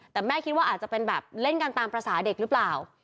แต่แม่คิดว่าอาจจะเป็นแบบเล่นกันตามภาษาเด็กหรือเปล่า